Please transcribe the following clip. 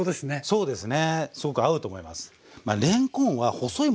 そうですね。